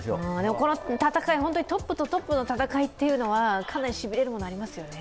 この戦い、本当にトップとトップの戦いはかなりしびれるものがありますよね。